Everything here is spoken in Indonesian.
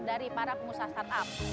dari para pemusaha startup